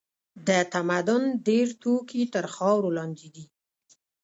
د تمدن ډېر توکي تر خاورو لاندې دي.